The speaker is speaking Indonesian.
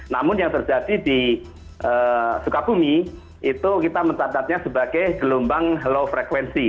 namun yang terjadi di sukabumi itu kita mencatatnya sebagai gelombang low frekuensi